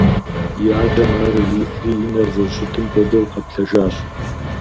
И адэм ар ирифри и нэр зэрыщытам хуэдэу къэплъэжащ.